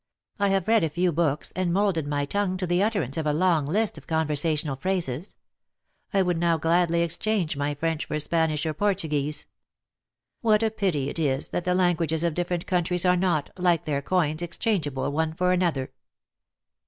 I have read a few books, and moulded my tongue to the 50 THE ACTRESS IN HIGH LIFE. utterance of a long list of conversational phrases. I would now gladly exchange my French for Spanish or Portuguese. What a pity it is, that the languages of different countries are not, like their coins, ex changeable one for another."